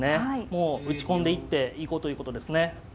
もう打ち込んでいって行こうということですね。